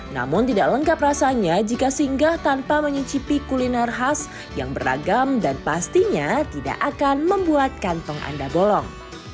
namun tidak lengkap rasanya jika singgah tanpa menyecipi kuliner khas yang beragam dan pastinya tidak akan membuat kantong anda bolong